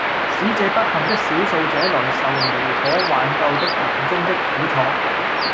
使這不幸的少數者來受無可挽救的臨終的苦楚，